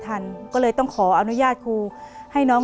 เปลี่ยนเพลงเพลงเก่งของคุณและข้ามผิดได้๑คำ